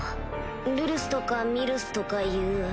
ルルスとかミルスとかいう